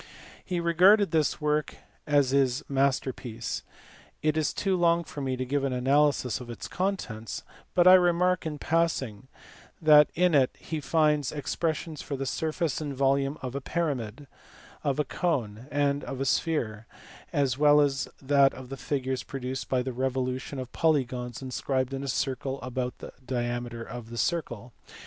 He regarded this work as his master 72 THE FIRST ALEXANDRIAN SCHOOL. piece. It is too long for me to give an analysis of its contents, but I remark in passing that in it he finds expressions for the surface and volume of a pyramid, of a cone, and of a sphere, as well as of the figures produced by the revolution of polygons inscribed in a circle about a diameter of the circle.